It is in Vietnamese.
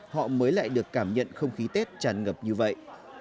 họ mới lại được cảm nhận không khí tết tràn ngập như vậy